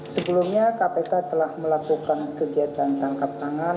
sebelumnya kpk telah melakukan kegiatan tangkap tangan